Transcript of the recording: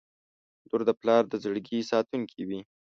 • لور د پلار د زړګي ساتونکې وي.